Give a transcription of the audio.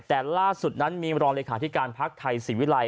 แต่ล่าสุดนั้นมีรองเลขาธิการพักไทยศิวิลัย